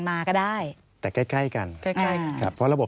สวัสดีค่ะที่จอมฝันครับ